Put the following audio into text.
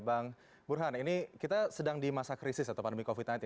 bang burhan ini kita sedang di masa krisis atau pandemi covid sembilan belas